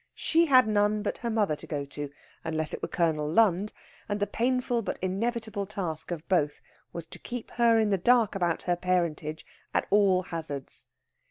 She had none but her mother to go to, unless it were Colonel Lund; and the painful but inevitable task of both was to keep her in the dark about her parentage at all hazards.